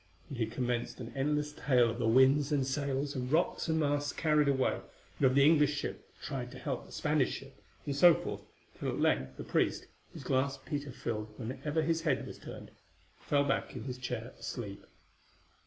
And he commenced an endless tale of the winds and sails and rocks and masts carried away, and of the English ship that tried to help the Spanish ship, and so forth, till at length the priest, whose glass Peter filled whenever his head was turned, fell back in his chair asleep.